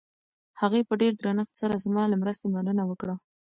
هغې په ډېر درنښت سره زما له مرستې مننه وکړه.